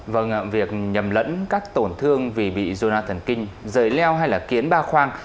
vâng việc nhầm lẫn các tổn thương vì bị zona thần kinh rời leo hay là kiến ba khoang